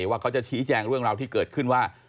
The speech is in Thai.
ว่าเขาจะชี้แจงเรื่องราวที่เกิดขึ้นว่า